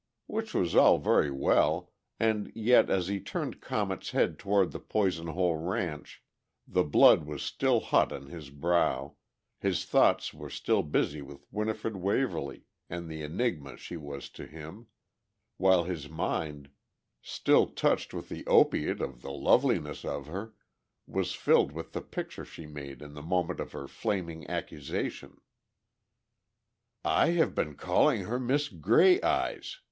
Which was all very well, and yet as he turned Comet's head toward the Poison Hole ranch the blood was still hot on his brow, his thoughts were still busy with Winifred Waverly and the enigma she was to him, while his mind, still touched with the opiate of the loveliness of her, was filled with the picture she made in the moment of her flaming accusation. "I have been calling her Miss Grey Eyes!"